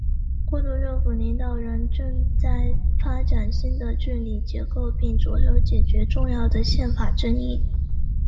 过渡政府领导人正在发展新的治理结构并着手解决重要的宪法争议。